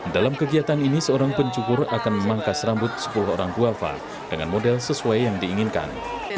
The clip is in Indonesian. dalam kegiatan ini seorang pencukur akan memangkas rambut sepuluh orang duafa dengan model sesuai yang diinginkan